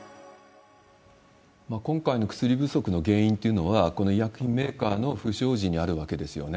今回の薬不足の原因っていうのは、この医薬品メーカーの不祥事にあるわけですよね。